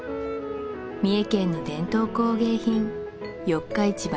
三重県の伝統工芸品四日市萬